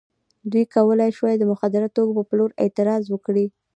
دوی کولای شوای د مخدره توکو په پلور اعتراض وکړي.